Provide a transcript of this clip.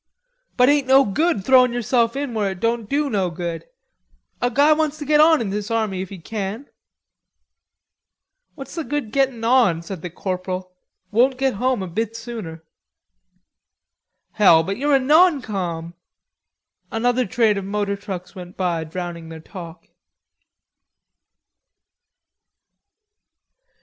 "But ain't no good throwin' yerself in where it don't do no good.... A guy wants to get on in this army if he can." "What's the good o' gettin' on?" said the corporal. "Won't get home a bit sooner." "Hell! but you're a non com." Another train of motor trucks went by, drowning their Talk.